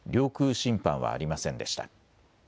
侵犯はありませんでした。